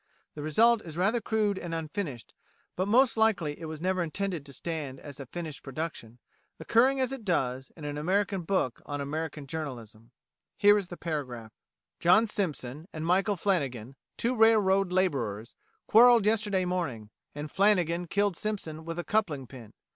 The result is rather crude and unfinished, but most likely it was never intended to stand as a finished production, occurring as it does, in an American book on American journalism.[18:A] Here is the paragraph: "John Simpson and Michael Flannagan, two railroad labourers, quarrelled yesterday morning, and Flannagan killed Simpson with a coupling pin.